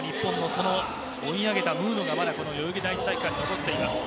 その追い上げたムードが代々木第一体育館に残っています。